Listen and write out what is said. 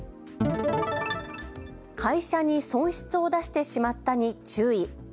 会社に損失を出してしまったに注意。